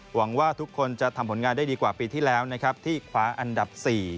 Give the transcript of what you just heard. หวังว่าทุกคนจะทำผลงานได้ดีกว่าปีที่แล้วนะครับที่คว้าอันดับ๔